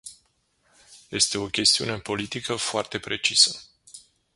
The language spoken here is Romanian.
Este o chestiune politică foarte precisă.